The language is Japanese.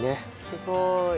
すごーい。